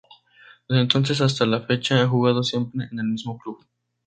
Desde entonces hasta la fecha, ha jugado siempre en el mismo club.